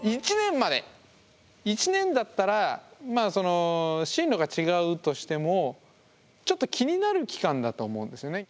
１年だったらまあ進路が違うとしてもちょっと気になる期間だと思うんですよね。